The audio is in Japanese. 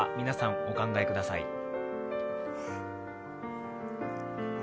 皆さんお考えください。